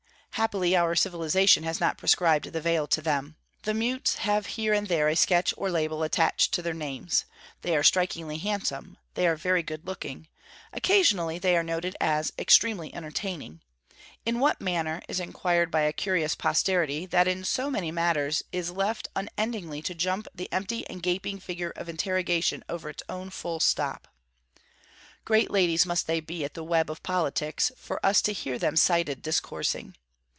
Happily our civilization has not prescribed the veil to them. The mutes have here and there a sketch or label attached to their names: they are 'strikingly handsome'; they are 'very good looking'; occasionally they are noted as 'extremely entertaining': in what manner, is inquired by a curious posterity, that in so many matters is left unendingly to jump the empty and gaping figure of interrogation over its own full stop. Great ladies must they be, at the web of politics, for us to hear them cited discoursing.